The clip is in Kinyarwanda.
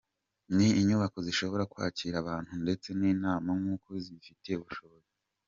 Ni inyubako zishobora kwakira abantu ndetse n’inama kuko zibifitiye ubushobozi.